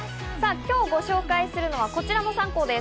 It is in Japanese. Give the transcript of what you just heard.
今日ご紹介するのはこちらの３校です。